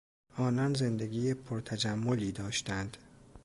آنان زندگی پر تجملی داشتند.